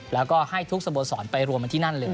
แล้วก็ให้ทุกสโมสรไปรวมกันที่นั่นเลย